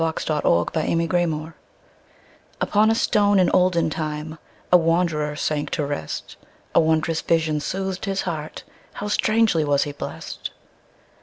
Isaacs Pillow and Stone UPON a stone in olden timeA wanderer sank to rest.A wondrous vision soothed his heartHow strangely was he blessed!